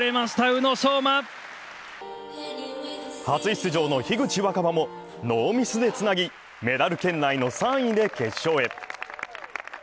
初出場の樋口新葉もノーミスでつなぎメダル圏内の３位で決勝へ。